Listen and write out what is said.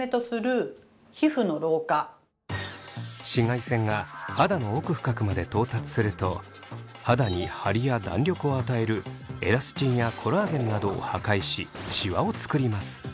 紫外線が肌の奥深くまで到達すると肌にハリや弾力を与えるエラスチンやコラーゲンなどを破壊しシワを作ります。